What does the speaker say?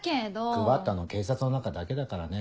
配ったの警察の中だけだからね。